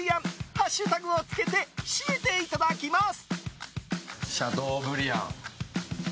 ハッシュタグをつけて締めていただきます。